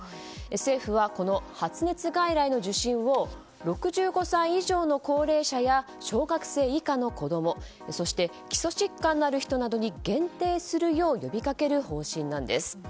政府は発熱外来の受診を６５歳以上の高齢者や小学生以下の子供基礎疾患のある人などに限定するよう呼びかける方針なんです。